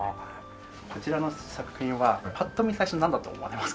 こちらの作品はパッと見最初なんだと思われますか？